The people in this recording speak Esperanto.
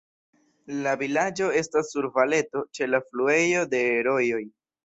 La vilaĝo estas sur valeto, ĉe la fluejo de rojoj.